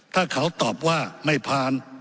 ถ้าเขาตอบว่าไม่ผ่าน